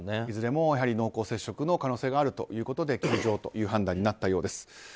いずれも濃厚接触者の可能性があるということで休場という判断になったそうです。